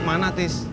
ojak mana tis